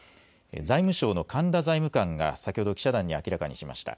財務省の神田財務官が先ほど記者団に明らかにしました。